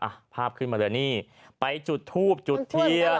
ภาพขึ้นมาเลยนี่ไปจุดทูบจุดเทียน